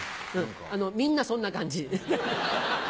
みんなそんな感じ。